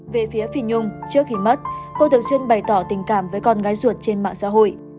về phía phi nhung trước khi mất cô thường xuyên bày tỏ tình cảm với con gái ruột trên mạng xã hội